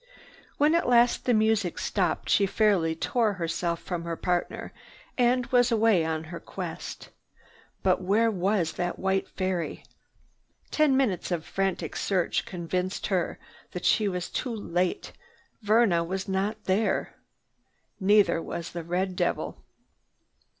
When at last the music stopped she fairly tore herself from her partner and was away on her quest. But where was that white fairy? Ten minutes of frantic search convinced her that she was too late. Verna was not there. Neither was the red devil.